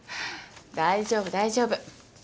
大丈夫大丈夫。